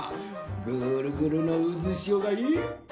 ぐるぐるのうずしおがいっぱい！